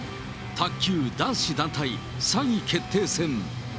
卓球男子団体３位決定戦。